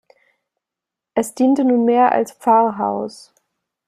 Es diente nunmehr als Pfarrhaus.